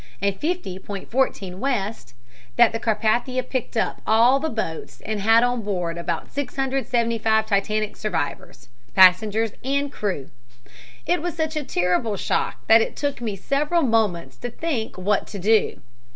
14 west; that the Carpathia picked up all the boats and had on board about 675 Titanic survivors passengers and crew. "It was such a terrible shock that it took me several moments to think what to do.